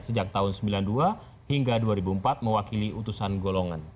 sejak tahun seribu sembilan ratus sembilan puluh dua hingga dua ribu empat mewakili utusan golongan